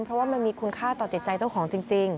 เพราะว่ามันมีคุณค่าต่อจิตใจเจ้าของจริง